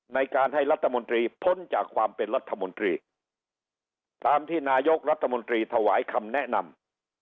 ในการให้รัฐมนตรีพ้นจากความเป็นรัฐมนตรีตามที่นายกรัฐมนตรีถวายคำแนะนำ